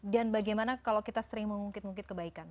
dan bagaimana kalau kita sering mengungkit ngungkit kebaikan